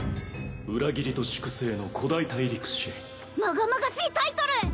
裏切りと粛清の古代大陸史まがまがしいタイトル！